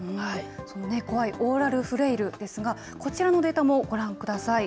その怖いオーラルフレイルですが、こちらのデータもご覧ください。